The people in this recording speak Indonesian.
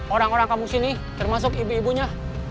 orang orang kampung sini termasuk ibu ibunya